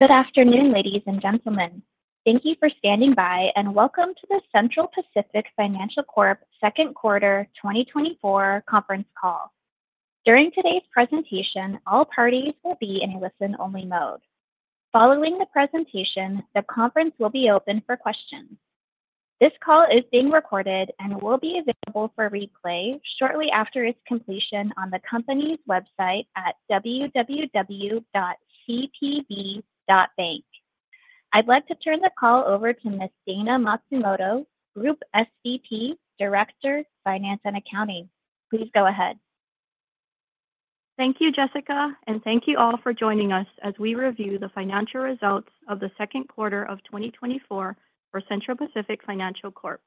Good afternoon, ladies and gentlemen. Thank you for standing by, and welcome to the Central Pacific Financial Corp second quarter 2024 conference call. During today's presentation, all parties will be in a listen-only mode. Following the presentation, the conference will be open for questions. This call is being recorded and will be available for replay shortly after its completion on the company's website at www.cpb.bank. I'd like to turn the call over to Miss Dayna Matsumoto, Group SVP, Director, Finance and Accounting. Please go ahead. Thank you, Jessica, and thank you all for joining us as we review the financial results of the second quarter of 2024 for Central Pacific Financial Corp.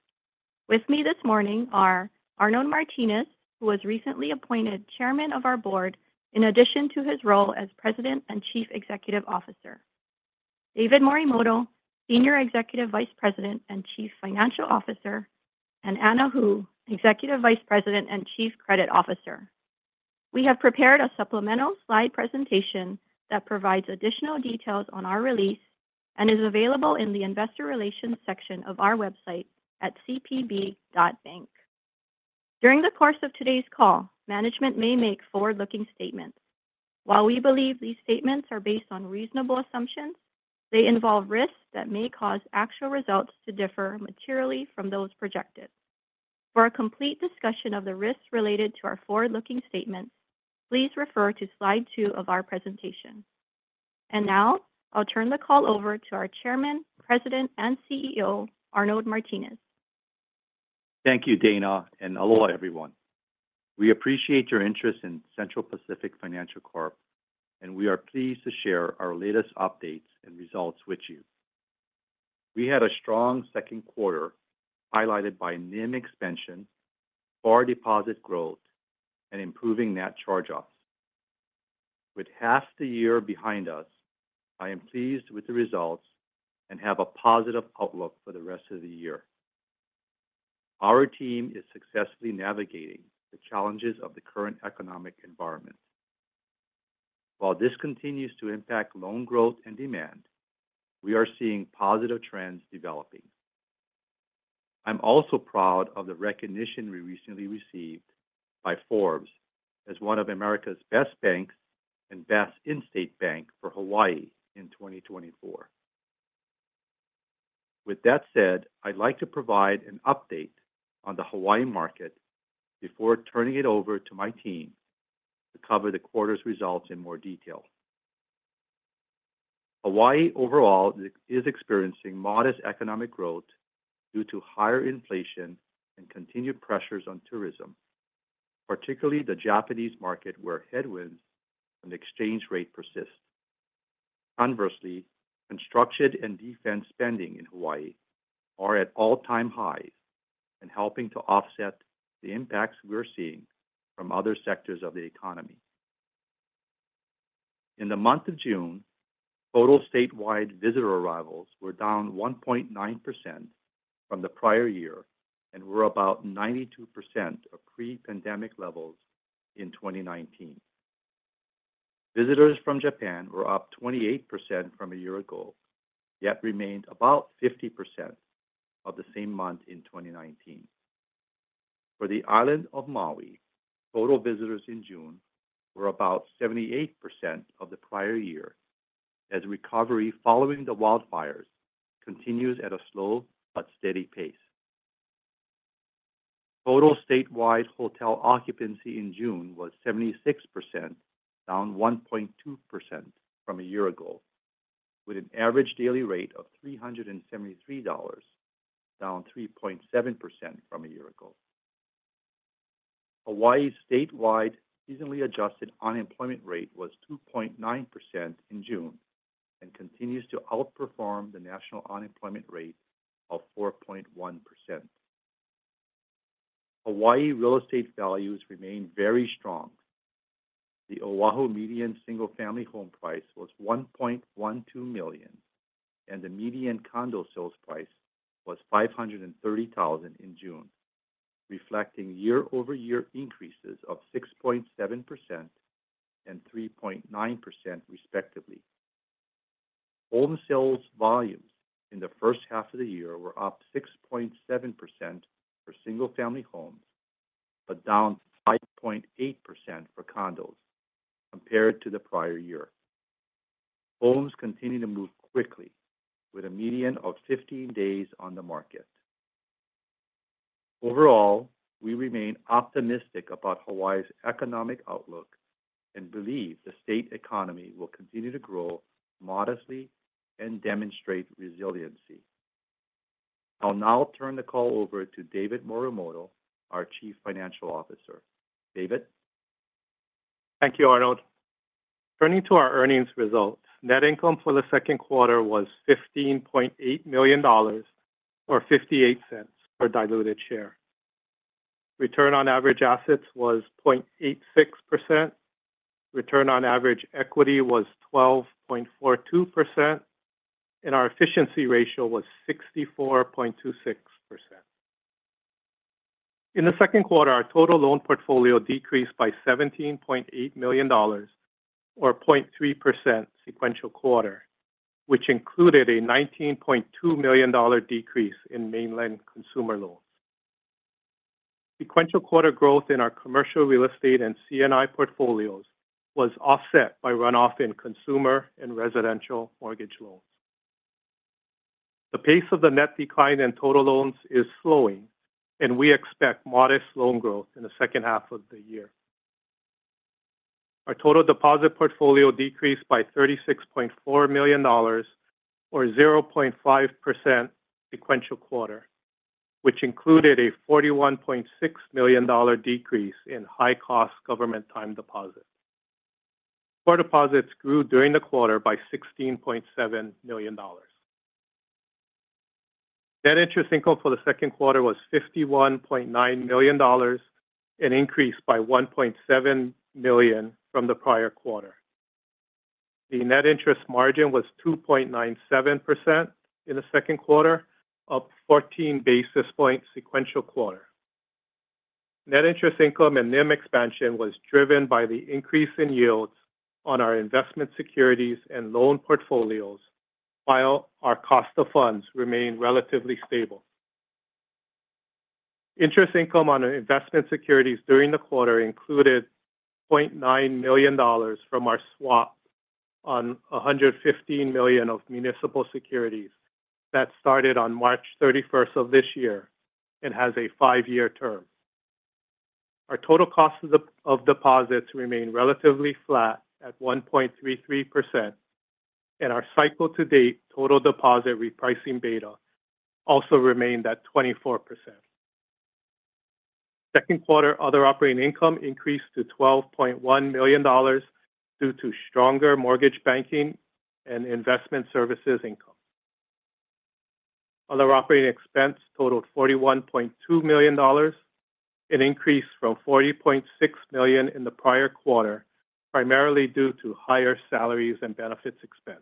With me this morning are Arnold Martines, who was recently appointed Chairman of our board, in addition to his role as President and Chief Executive Officer, David Morimoto, Senior Executive Vice President and Chief Financial Officer, and Anna Hu, Executive Vice President and Chief Credit Officer. We have prepared a supplemental slide presentation that provides additional details on our release and is available in the Investor Relations section of our website at cpb.bank. During the course of today's call, management may make forward-looking statements. While we believe these statements are based on reasonable assumptions, they involve risks that may cause actual results to differ materially from those projected. For a complete discussion of the risks related to our forward-looking statements, please refer to slide 2 of our presentation. And now, I'll turn the call over to our Chairman, President, and CEO, Arnold Martines. Thank you, Dayna, and aloha, everyone. We appreciate your interest in Central Pacific Financial Corp, and we are pleased to share our latest updates and results with you. We had a strong second quarter, highlighted by NIM expansion, core deposit growth, and improving net charge-offs. With half the year behind us, I am pleased with the results and have a positive outlook for the rest of the year. Our team is successfully navigating the challenges of the current economic environment. While this continues to impact loan growth and demand, we are seeing positive trends developing. I'm also proud of the recognition we recently received by Forbes as one of America's best banks and best in-state bank for Hawaii in 2024. With that said, I'd like to provide an update on the Hawaii market before turning it over to my team to cover the quarter's results in more detail. Hawaii overall is experiencing modest economic growth due to higher inflation and continued pressures on tourism, particularly the Japanese market, where headwinds and exchange rate persist. Conversely, construction and defense spending in Hawaii are at all-time highs and helping to offset the impacts we are seeing from other sectors of the economy. In the month of June, total statewide visitor arrivals were down 1.9% from the prior year and were about 92% of pre-pandemic levels in 2019. Visitors from Japan were up 28% from a year ago, yet remained about 50% of the same month in 2019. For the island of Maui, total visitors in June were about 78% of the prior year, as recovery following the wildfires continues at a slow but steady pace. Total statewide hotel occupancy in June was 76%, down 1.2% from a year ago, with an average daily rate of $373, down 3.7% from a year ago. Hawaii's statewide seasonally adjusted unemployment rate was 2.9% in June and continues to outperform the national unemployment rate of 4.1%. Hawaii real estate values remain very strong. The Oahu median single-family home price was $1.12 million, and the median condo sales price was $530,000 in June, reflecting year-over-year increases of 6.7% and 3.9%, respectively. Home sales volumes in the first half of the year were up 6.7% for single-family homes, but down 5.8% for condos compared to the prior year. Homes continue to move quickly with a median of 15 days on the market. Overall, we remain optimistic about Hawaii's economic outlook and believe the state economy will continue to grow modestly and demonstrate resiliency. I'll now turn the call over to David Morimoto, our Chief Financial Officer. David? Thank you, Arnold. Turning to our earnings results, net income for the second quarter was $15.8 million, or $0.58 per diluted share. Return on average assets was 0.86%, return on average equity was 12.42%, and our efficiency ratio was 64.26%. In the second quarter, our total loan portfolio decreased by $17.8 million, or 0.3% sequential quarter, which included a $19.2 million decrease in mainland consumer loans. Sequential quarter growth in our commercial real estate and C&I portfolios was offset by runoff in consumer and residential mortgage loans. The pace of the net decline in total loans is slowing, and we expect modest loan growth in the second half of the year. Our total deposit portfolio decreased by $36.4 million or 0.5% sequential quarter, which included a $41.6 million decrease in high-cost government time deposits. Core deposits grew during the quarter by $16.7 million. Net interest income for the second quarter was $51.9 million, an increase by $1.7 million from the prior quarter. The net interest margin was 2.97% in the second quarter, up 14 basis points sequential quarter. Net interest income and NIM expansion was driven by the increase in yields on our investment securities and loan portfolios, while our cost of funds remained relatively stable. Interest income on our investment securities during the quarter included $0.9 million from our swap on 115 million of municipal securities that started on March 31st of this year and has a five-year term. Our total cost of deposits remained relatively flat at 1.33%, and our cycle-to-date total deposit repricing beta also remained at 24%. Second quarter other operating income increased to $12.1 million due to stronger mortgage banking and investment services income. Other operating expense totaled $41.2 million, an increase from $40.6 million in the prior quarter, primarily due to higher salaries and benefits expense.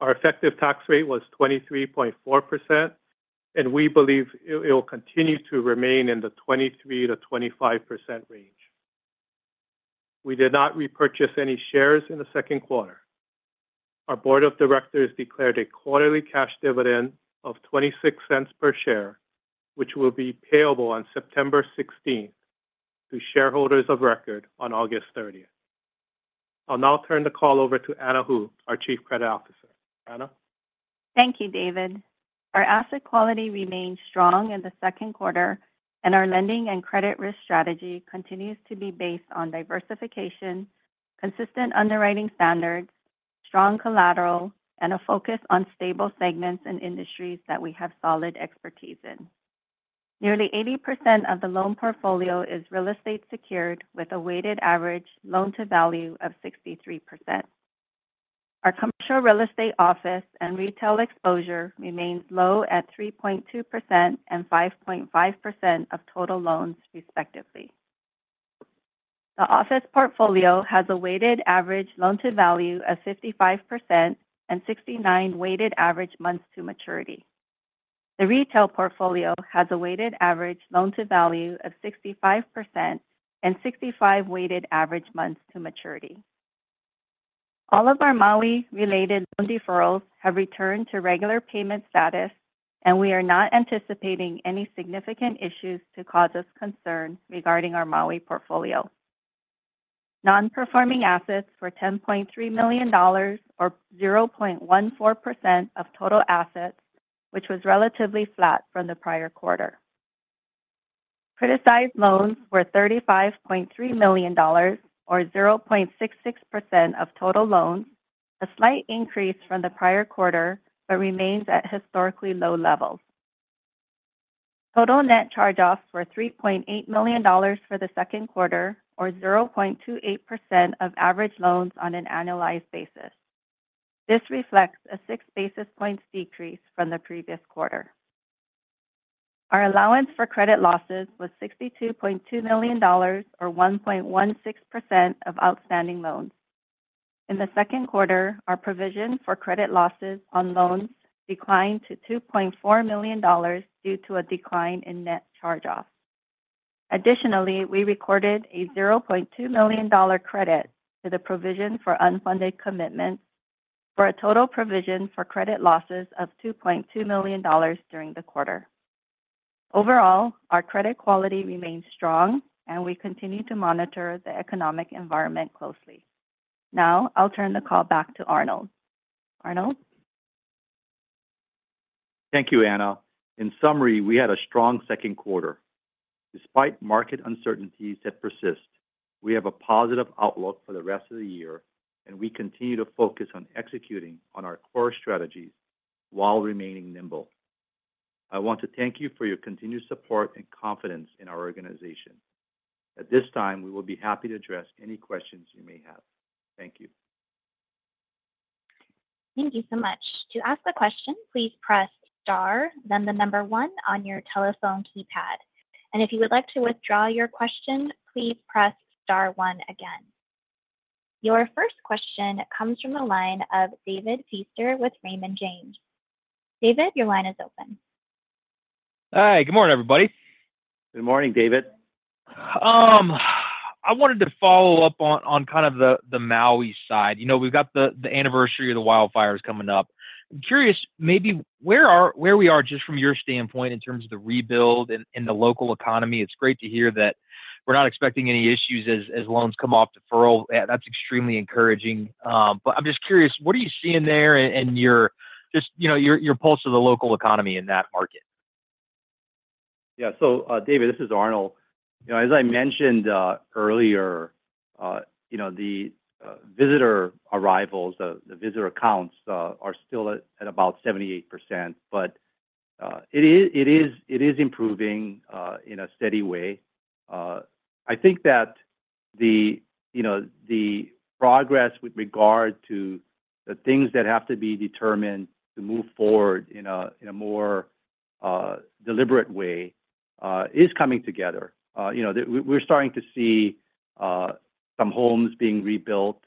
Our effective tax rate was 23.4%, and we believe it will continue to remain in the 23%-25% range. We did not repurchase any shares in the second quarter. Our board of directors declared a quarterly cash dividend of $0.26 per share, which will be payable on September 16th to shareholders of record on August 30th. I'll now turn the call over to Anna Hu, our Chief Credit Officer. Anna? Thank you, David. Our asset quality remained strong in the second quarter, and our lending and credit risk strategy continues to be based on diversification, consistent underwriting standards, strong collateral, and a focus on stable segments and industries that we have solid expertise in. Nearly 80% of the loan portfolio is real estate secured, with a weighted average loan-to-value of 63%. Our commercial real estate office and retail exposure remains low at 3.2% and 5.5% of total loans, respectively. The office portfolio has a weighted average loan-to-value of 55% and 69 weighted average months to maturity. The retail portfolio has a weighted average loan-to-value of 65% and 65 weighted average months to maturity. All of our Maui-related loan deferrals have returned to regular payment status, and we are not anticipating any significant issues to cause us concern regarding our Maui portfolio. Non-performing assets were $10.3 million, or 0.14% of total assets, which was relatively flat from the prior quarter. Criticized loans were $35.3 million, or 0.66% of total loans, a slight increase from the prior quarter, but remains at historically low levels. Total net charge-offs were $3.8 million for the second quarter, or 0.28% of average loans on an annualized basis. This reflects a six basis points decrease from the previous quarter. Our allowance for credit losses was $62.2 million, or 1.16% of outstanding loans. In the second quarter, our provision for credit losses on loans declined to $2.4 million due to a decline in net charge-offs. Additionally, we recorded a $200,000 credit to the provision for unfunded commitments for a total provision for credit losses of $2.2 million during the quarter. Overall, our credit quality remains strong, and we continue to monitor the economic environment closely. Now, I'll turn the call back to Arnold. Arnold? Thank you, Anna. In summary, we had a strong second quarter. Despite market uncertainties that persist, we have a positive outlook for the rest of the year, and we continue to focus on executing on our core strategies while remaining nimble. I want to thank you for your continued support and confidence in our organization. At this time, we will be happy to address any questions you may have. Thank you. Thank you so much. To ask a question, please press star, then the number one on your telephone keypad. And if you would like to withdraw your question, please press star one again. Your first question comes from the line of David Feaster with Raymond James. David, your line is open. Hi. Good morning, everybody. Good morning, David. I wanted to follow up on kind of the Maui side. You know, we've got the anniversary of the wildfires coming up. I'm curious, maybe where we are just from your standpoint in terms of the rebuild and the local economy. It's great to hear that we're not expecting any issues as loans come off deferral. That's extremely encouraging. But I'm just curious, what are you seeing there and your just, you know, your pulse of the local economy in that market? Yeah. So, David, this is Arnold. You know, as I mentioned earlier, you know, the visitor arrivals, the visitor counts are still at about 78%, but it is improving in a steady way. I think that the, you know, the progress with regard to the things that have to be determined to move forward in a more deliberate way is coming together. You know, we're starting to see some homes being rebuilt,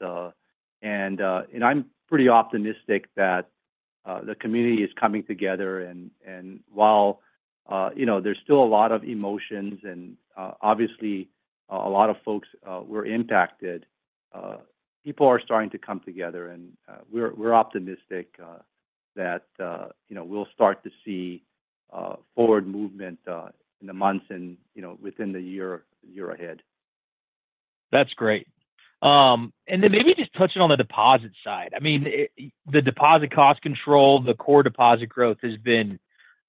and I'm pretty optimistic that the community is coming together. While, you know, there's still a lot of emotions and, obviously, a lot of folks were impacted, people are starting to come together, and we're optimistic that, you know, we'll start to see forward movement in the months and, you know, within the year ahead. That's great. And then maybe just touching on the deposit side. I mean, the deposit cost control, the core deposit growth has been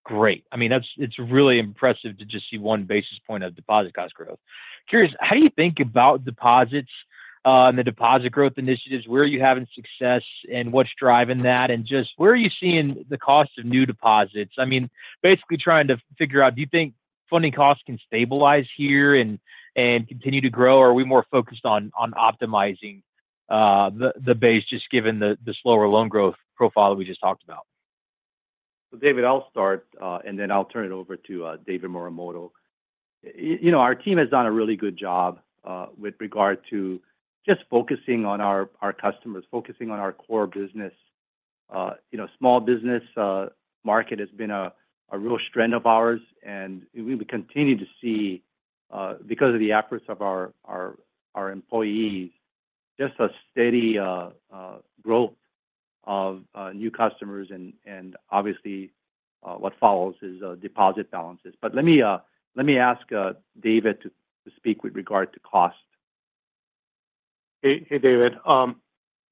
great. I mean, that's it's really impressive to just see one basis point of deposit cost growth. Curious, how do you think about deposits, and the deposit growth initiatives? Where are you having success, and what's driving that? And just where are you seeing the cost of new deposits? I mean, basically trying to figure out, do you think funding costs can stabilize here and continue to grow, or are we more focused on optimizing the base, just given the slower loan growth profile we just talked about? So, David, I'll start, and then I'll turn it over to David Morimoto. You know, our team has done a really good job with regard to just focusing on our customers, focusing on our core business. You know, small business market has been a real strength of ours, and we continue to see, because of the efforts of our employees, just a steady growth of new customers, and obviously, what follows is deposit balances. But let me ask David to speak with regard to cost. Hey, hey, David.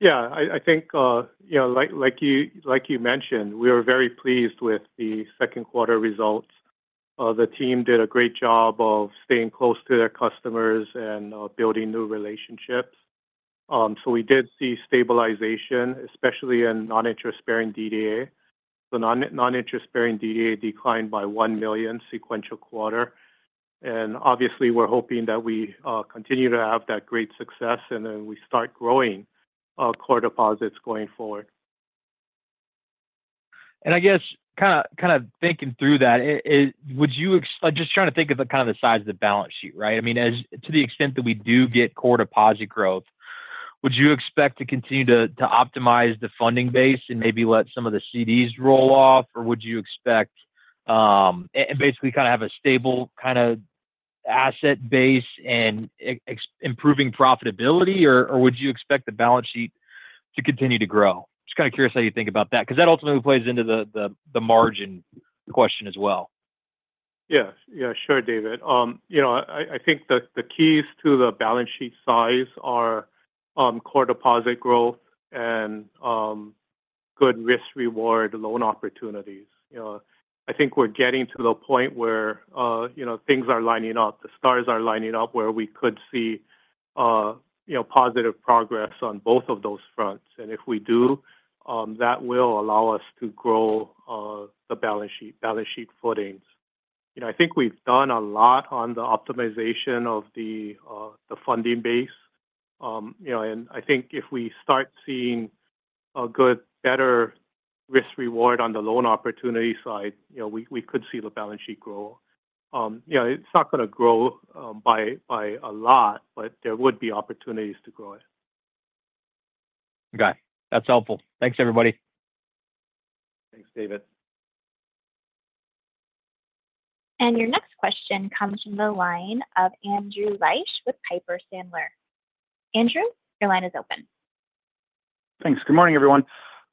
Yeah, I think, you know, like you mentioned, we are very pleased with the second quarter results. The team did a great job of staying close to their customers and building new relationships. So we did see stabilization, especially in non-interest-bearing DDA. The non-interest-bearing DDA declined by $1 million sequential quarter, and obviously, we're hoping that we continue to have that great success, and then we start growing core deposits going forward. I guess kind of thinking through that, would you expect? Like, just trying to think of the size of the balance sheet, right? I mean, as to the extent that we do get core deposit growth, would you expect to continue to optimize the funding base and maybe let some of the CDs roll off? Or would you expect and basically kind of have a stable kind of asset base and expect improving profitability, or would you expect the balance sheet to continue to grow? Just kind of curious how you think about that, 'cause that ultimately plays into the margin question as well. Yeah. Yeah, sure, David. You know, I think the keys to the balance sheet size are core deposit growth and good risk-reward loan opportunities. You know, I think we're getting to the point where you know, things are lining up, the stars are lining up, where we could see you know, positive progress on both of those fronts. And if we do, that will allow us to grow the balance sheet, balance sheet footings. You know, I think we've done a lot on the optimization of the funding base. You know, and I think if we start seeing a good, better risk reward on the loan opportunity side, you know, we could see the balance sheet grow. You know, it's not going to grow by a lot, but there would be opportunities to grow it. Okay. That's helpful. Thanks, everybody. Thanks, David. Your next question comes from the line of Andrew Liesch with Piper Sandler. Andrew, your line is open. Thanks. Good morning, everyone.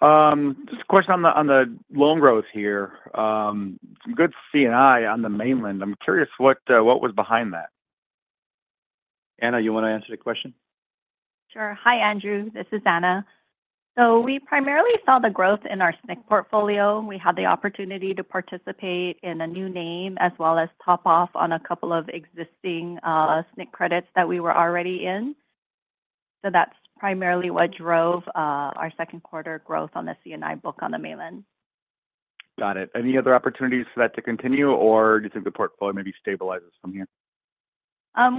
Just a question on the loan growth here. Some good C&I on the mainland. I'm curious, what was behind that? Anna, you want to answer the question? Sure. Hi, Andrew. This is Anna. So we primarily saw the growth in our SNC portfolio. We had the opportunity to participate in a new name, as well as top off on a couple of existing SNC credits that we were already in. So that's primarily what drove our second quarter growth on the C&I book on the mainland. Got it. Any other opportunities for that to continue, or do you think the portfolio maybe stabilizes from here?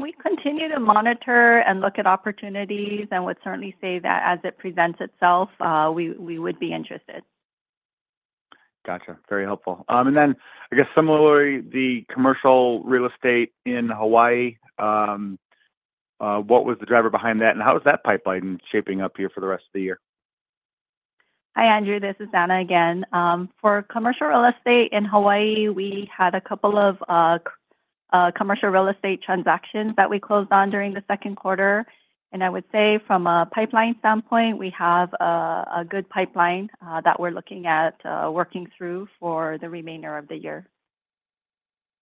We continue to monitor and look at opportunities and would certainly say that as it presents itself, we would be interested. Gotcha. Very helpful. And then I guess similarly, the commercial real estate in Hawaii, what was the driver behind that, and how is that pipeline shaping up here for the rest of the year? Hi, Andrew. This is Anna again. For commercial real estate in Hawaii, we had a couple of commercial real estate transactions that we closed on during the second quarter. And I would say from a pipeline standpoint, we have a good pipeline that we're looking at working through for the remainder of the year.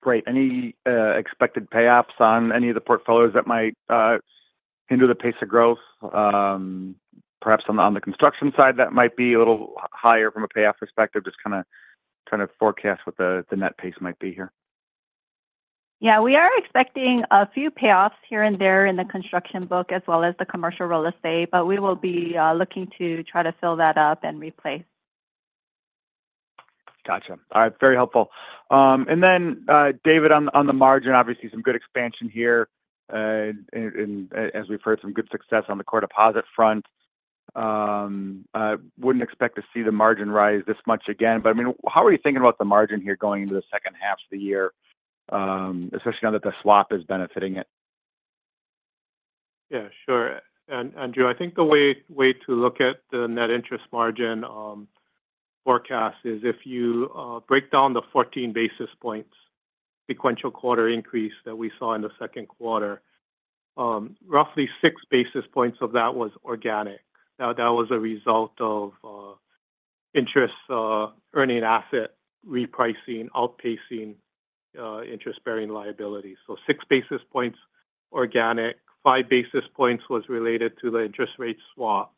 Great. Any expected payoffs on any of the portfolios that might hinder the pace of growth? Perhaps on the construction side, that might be a little higher from a payoff perspective, just kind of forecast what the net pace might be here. Yeah, we are expecting a few payoffs here and there in the construction book, as well as the commercial real estate, but we will be looking to try to fill that up and replace. Gotcha. All right, very helpful. And then, David, on the margin, obviously some good expansion here. And as we've heard, some good success on the core deposit front. I wouldn't expect to see the margin rise this much again, but, I mean, how are you thinking about the margin here going into the second half of the year, especially now that the swap is benefiting it? Yeah, sure. And Andrew, I think the way to look at the net interest margin forecast is if you break down the 14 basis points sequential quarter increase that we saw in the second quarter, roughly 6 basis points of that was organic. Now, that was a result of interest earning asset repricing outpacing interest-bearing liability. So 6 basis points organic, 5 basis points was related to the interest rate swap,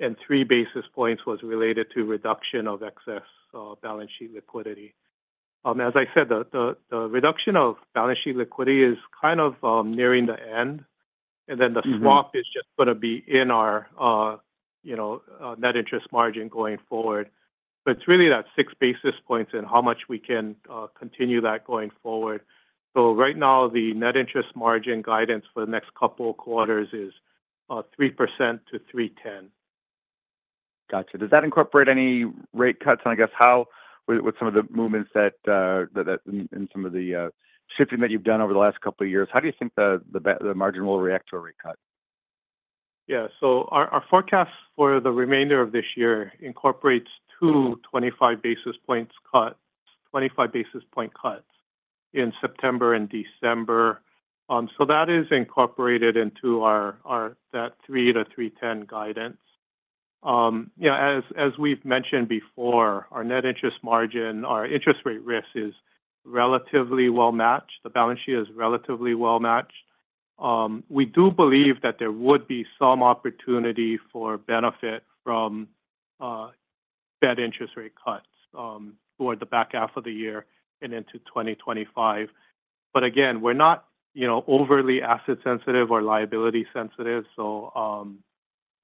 and 3 basis points was related to reduction of excess balance sheet liquidity. As I said, the reduction of balance sheet liquidity is kind of nearing the end, and then the. Mm-hmm. Swap is just going to be in our, you know, net interest margin going forward. But it's really that six basis points and how much we can continue that going forward. So right now, the net interest margin guidance for the next couple of quarters is 3%-3.10%. Got you. Does that incorporate any rate cuts? And I guess, how, with some of the movements that, that and some of the shifting that you've done over the last couple of years, how do you think the margin will react to a rate cut? Yeah. So our forecast for the remainder of this year incorporates two 25 basis points cuts, 25 basis point cuts in September and December. So that is incorporated into our-- that 3%-3.10% guidance. You know, as we've mentioned before, our net interest margin, our interest rate risk is relatively well matched. The balance sheet is relatively well matched. We do believe that there would be some opportunity for benefit from Fed interest rate cuts toward the back half of the year and into 2025. But again, we're not, you know, overly asset sensitive or liability sensitive, so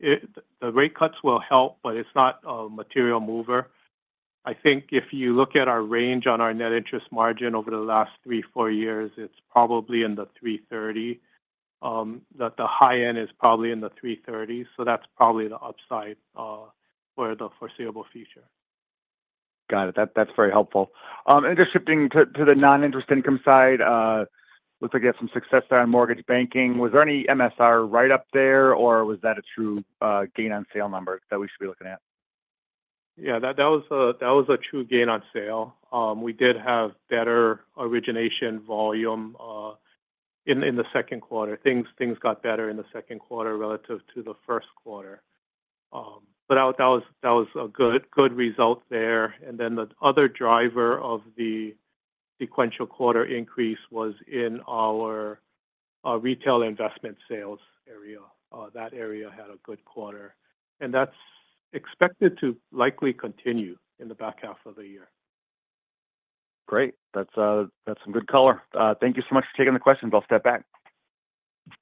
it-- the rate cuts will help, but it's not a material mover. I think if you look at our range on our net interest margin over the last 3-4 years, it's probably in the 3.30%, that the high end is probably in the 3.30%, so that's probably the upside for the foreseeable future. Got it. That, that's very helpful. And just shifting to the non-interest income side, looks like you had some success there on mortgage banking. Was there any MSR write-up there, or was that a true gain on sale number that we should be looking at? Yeah, that was a true gain on sale. We did have better origination volume in the second quarter. Things got better in the second quarter relative to the first quarter. But that was a good result there. And then the other driver of the sequential quarter increase was in our retail investment sales area. That area had a good quarter, and that's expected to likely continue in the back half of the year. Great. That's, that's some good color. Thank you so much for taking the questions. I'll step back.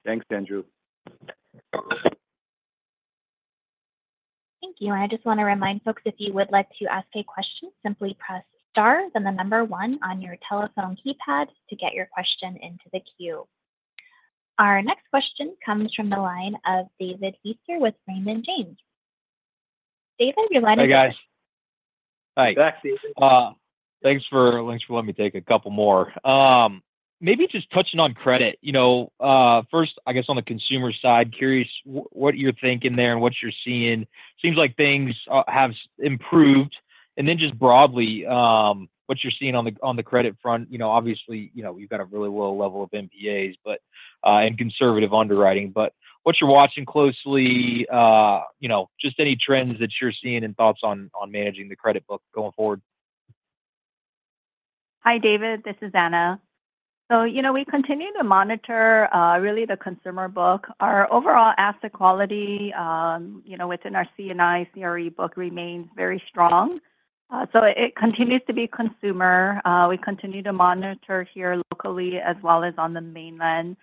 Thanks, Andrew. Thank you. I just want to remind folks, if you would like to ask a question, simply press star, then the number one on your telephone keypad to get your question into the queue. Our next question comes from the line of David Feaster with Raymond James. David, your line is. Hi, guys. Hi. Back, David. Thanks for, thanks for letting me take a couple more. Maybe just touching on credit, you know, first, I guess on the consumer side, curious what you're thinking there and what you're seeing. Seems like things have improved. And then just broadly, what you're seeing on the credit front, you know, obviously, you know, we've got a really low level of NPAs, but, and conservative underwriting, but what you're watching closely, you know, just any trends that you're seeing and thoughts on managing the credit book going forward? Hi, David, this is Anna. So, you know, we continue to monitor really the consumer book. Our overall asset quality, you know, within our C&I CRE book remains very strong. So it continues to be consumer. We continue to monitor here locally as well as on the mainland,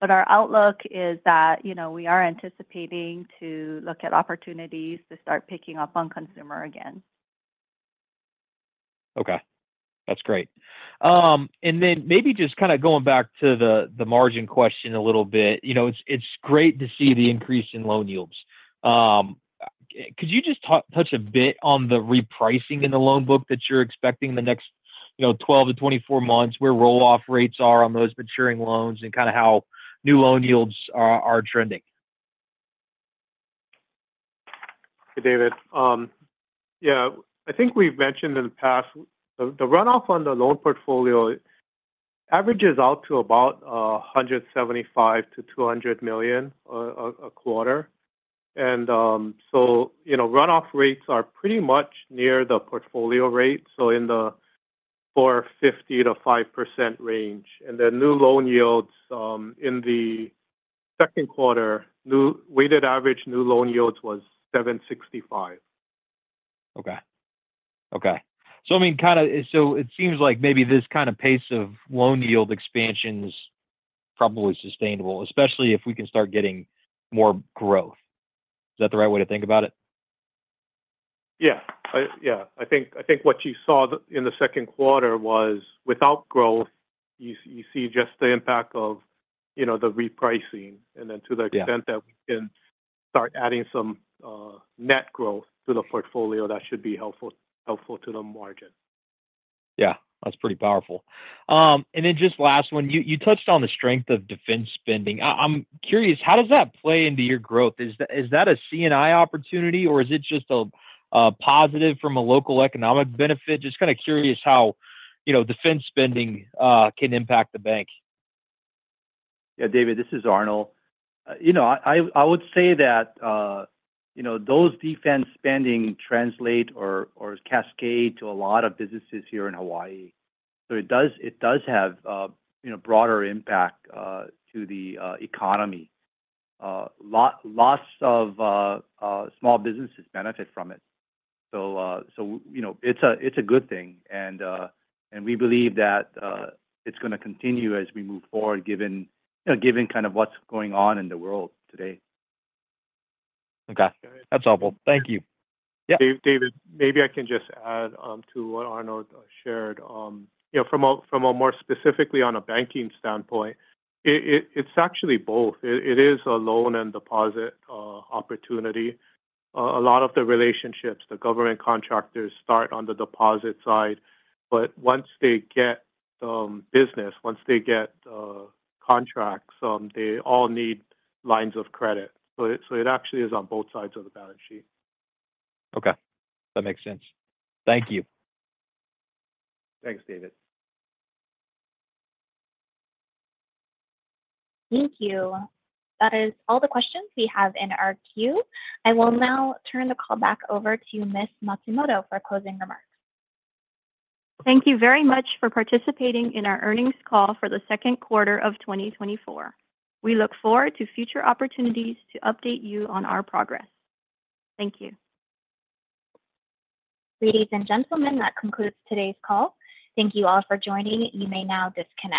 but our outlook is that, you know, we are anticipating to look at opportunities to start picking up on consumer again. Okay. That's great. And then maybe just kind of going back to the margin question a little bit. You know, it's great to see the increase in loan yields. Could you just touch a bit on the repricing in the loan book that you're expecting in the next, you know, 12-24 months, where roll-off rates are on those maturing loans, and kind of how new loan yields are trending? David, yeah, I think we've mentioned in the past, the runoff on the loan portfolio averages out to about $175 million-$200 million a quarter. So, you know, runoff rates are pretty much near the portfolio rate, so in the 4.50%-5% range. The new loan yields, in the second quarter, new weighted average new loan yields was 7.65%. Okay. Okay. So I mean, kind of, so it seems like maybe this kind of pace of loan yield expansion is probably sustainable, especially if we can start getting more growth. Is that the right way to think about it? Yeah. I think what you saw in the second quarter was without growth. You see just the impact of, you know, the repricing. And then to the extent. Yeah. That we can start adding some net growth to the portfolio, that should be helpful, helpful to the margin. Yeah, that's pretty powerful. And then just last one, you touched on the strength of defense spending. I'm curious, how does that play into your growth? Is that a C&I opportunity, or is it just a positive from a local economic benefit? Just kind of curious how, you know, defense spending can impact the bank. Yeah, David, this is Arnold. You know, I would say that, you know, those defense spending translate or cascade to a lot of businesses here in Hawaii. So it does, it does have, you know, broader impact, to the, economy. Lots of small businesses benefit from it. So, so, you know, it's a, it's a good thing, and, and we believe that, it's going to continue as we move forward, given, you know, given kind of what's going on in the world today. Okay. That's helpful. Thank you. Yeah. David, maybe I can just add to what Arnold shared. You know, from a more specifically on a banking standpoint, it's actually both. It is a loan and deposit opportunity. A lot of the relationships, the government contractors start on the deposit side, but once they get business, once they get contracts, they all need lines of credit. So it actually is on both sides of the balance sheet. Okay. That makes sense. Thank you. Thanks, David. Thank you. That is all the questions we have in our queue. I will now turn the call back over to Miss Matsumoto for closing remarks. Thank you very much for participating in our earnings call for the second quarter of 2024. We look forward to future opportunities to update you on our progress. Thank you. Ladies and gentlemen, that concludes today's call. Thank you all for joining. You may now disconnect.